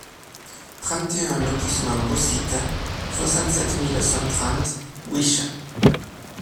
trente et un lotissement Beau-Site, soixante-sept mille cent trente Wisches